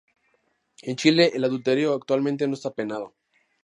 En Chile el adulterio actualmente no está penado.